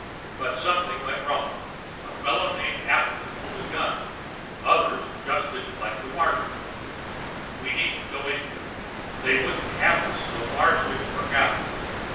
But something went wrong fellow named Appleton pulled a gun, others just didn't like the Martians we needn't go into it; they wouldn't have us so Mars didn't work out.